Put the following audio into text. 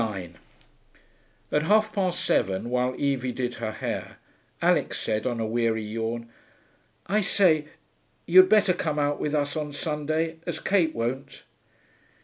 9 At half past seven, while Evie did her hair, Alix said, on a weary yawn, 'I say, you'd better come out with us on Sunday, as Kate won't.'